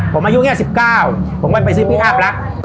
ผมอายุแง่๑๙ผมก็ไปซื้อพิธีภาพลักษณ์